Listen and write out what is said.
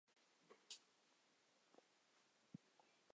海友客栈是华住酒店集团旗下的经济型酒店连锁品牌。